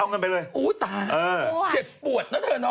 เอาเงินไปเลยโอ้ตายเจ็บปวดนะเธอน้อง